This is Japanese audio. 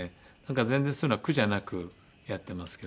全然そういうのは苦じゃなくやってますけどね。